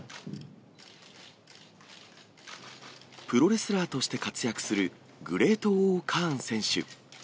プロレスラーとして活躍するグレートーＯーカーン選手。